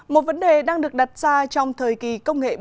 một vấn đề đang được đặt ra trong thời kỳ công nghệ bốn